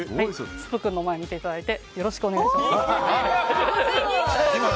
スプ君を見ていただいてよろしくお願いしますと。